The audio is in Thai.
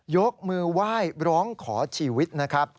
ยกมือไหว้ร้องขอชีวิตนะครับ